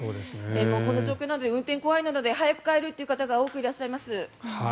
この状況なので運転が怖いので早く帰るという方が多くいらっしゃいます。